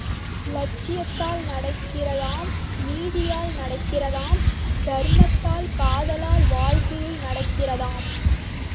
இலட்சியத்தால் நடக்கிறதாம், நீதியால் நடக்கிறதாம் தர்மத்தால், காதலால் வாழ்க்கை நடக்கிறதாம்!